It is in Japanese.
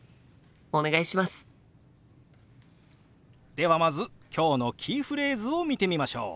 ではまず今日のキーフレーズを見てみましょう。